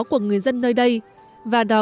của người dân nơi đây và đó